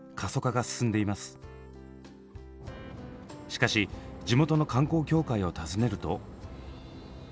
しかし地元の観光協会を訪ねると。